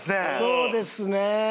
そうですね。